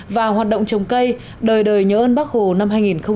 và hoạt động trồng cây đời đời nhớ ơn bắc hồ năm hai nghìn một mươi bảy